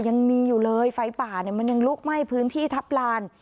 ยังมีอยู่เลยไฟป่าเนี่ยมันยังลุกไหม้พื้นที่ทัพลาน